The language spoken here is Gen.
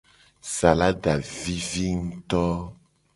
Salada vivi nguto.